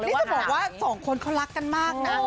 นี่จะบอกว่าสองคนเขารักกันมากนะ